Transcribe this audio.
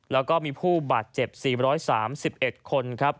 แล้วก็มีผู้บาดเจ็บ๔๓๑คนครับ